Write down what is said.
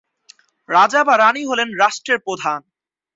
রাজা বা রাণী হলেন রাষ্ট্রের প্রধান।